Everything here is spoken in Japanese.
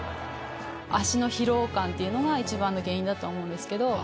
足の疲労感っていうのが、一番の原因だとは思うんですけど。